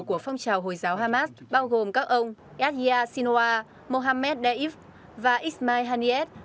của phong trào hồi giáo hamas bao gồm các ông yadiyah sinoa mohammed daif và ismail haniyeh